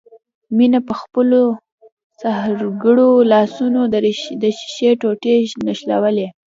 مينه په خپلو سحرګرو لاسونو د ښيښې ټوټې نښلوي.